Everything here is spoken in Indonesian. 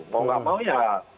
mau gak mau ya